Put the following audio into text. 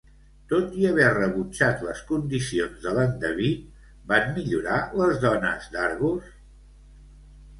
Tot i haver rebutjat les condicions de l'endeví, van millorar les dones d'Argos?